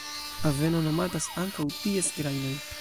Aveno nomatas ankaŭ ties grajnoj.